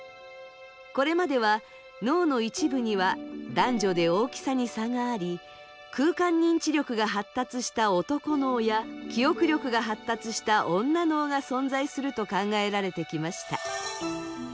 これまでは脳の一部には男女で大きさに差があり空間認知力が発達した男脳や記憶力が発達した女脳が存在すると考えられてきました。